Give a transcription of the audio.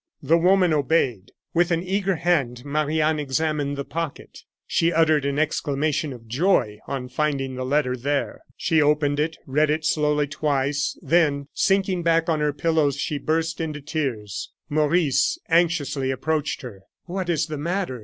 The woman obeyed; with an eager hand Marie Anne examined the pocket. She uttered an exclamation of joy on finding the letter there. She opened it, read it slowly twice, then, sinking back on her pillows, she burst into tears. Maurice anxiously approached her. "What is the matter?"